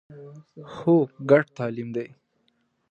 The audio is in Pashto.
هو، ګډ تعلیم دی